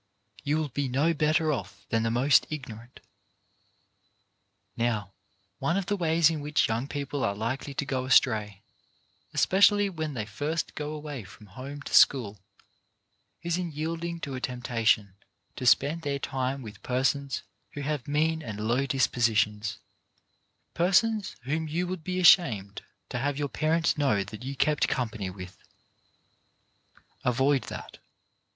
You will be no better off than the most ignorant. Now, one of the ways in which young people are likely to go astray, especially when they first go away from home to school, is in yielding to a temptation to spend their time with persons who have mean and low dispositions; persons whom you would be ashamed to have your parents know that you kept company with. Avoid that.